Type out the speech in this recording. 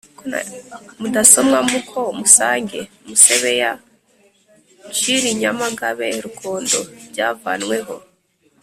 Mudasomwa Muko Musange Musebeya Nshili Nyamagabe Rukondo byavanweho